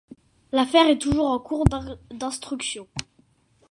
L'affaire est toujours en cour d'instruction.